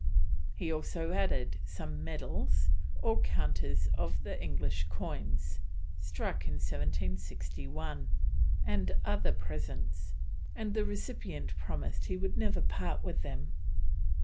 He also added "some medals, or counters of the English coins, struck in 1761, and other presents," and the recipient promised he would never part with them.